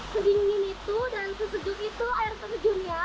se dingin itu dan se sejuk itu air terjunnya